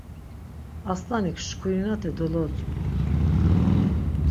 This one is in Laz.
Arslanik şkurinate dolodzgu.